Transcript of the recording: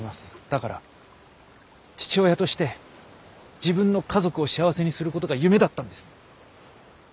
だから父親として自分の家族を幸せにすることが夢だったんです。